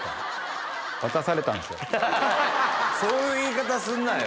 そういう言い方すんなよ。